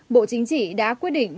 bộ chính trị đã quyết định